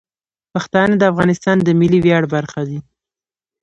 پښتانه د افغانستان د ملي ویاړ برخه دي.